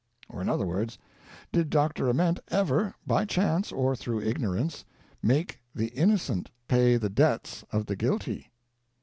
Or, in other words : Did Dr. Ament ever, by chance or through ignorance, make the innocent pay the debts of the guilty?